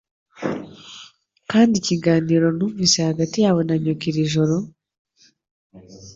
Kandi ikiganiro numvise hagati yawe na nyoko iri joro?